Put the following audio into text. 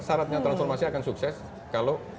syaratnya transformasi akan sukses kalau